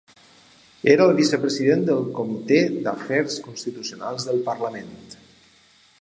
Era el vicepresident del Comitè d'Afers Constitucionals del parlament.